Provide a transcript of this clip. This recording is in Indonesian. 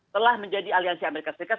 telah menjadi aliansi amerika serikat